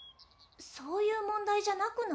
そういう問題じゃなくない？